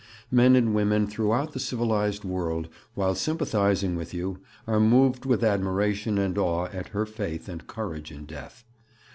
Men and women throughout the civilized world, while sympathizing with you, are moved with admiration and awe at her faith and courage in death.